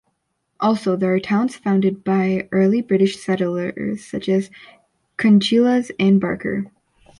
Also, there are towns founded by early British settlers, such as Conchillas and Barker.